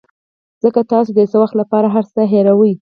ځکه تاسو د یو څه وخت لپاره هر څه هیروئ.